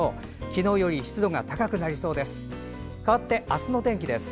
昨日より湿度が高くなりそうです。